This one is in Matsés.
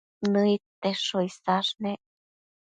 Nëid tesho isash nec